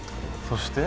そして？